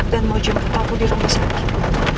dan mau jumpa aku di rumah sakit